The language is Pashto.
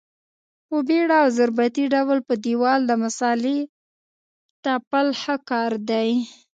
په بېړه او ضربتي ډول په دېوال د مسالې تپل ښه کار دی.